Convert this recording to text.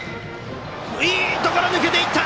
いいところを抜けていった！